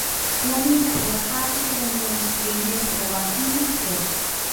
และมีศักยภาพที่จะดำเนินชีวิตในศตวรรษที่ยี่สิบเอ็ด